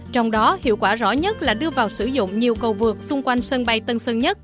trong đó hiệu quả rõ nhất là đưa vào sử dụng nhiều cầu vượt xung quanh sân bay tân sơn nhất